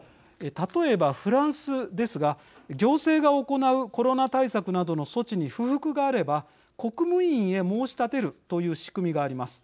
例えばフランスですが行政が行うコロナ対策などの措置に不服があれば、国務院へ申し立てるという仕組みがあります。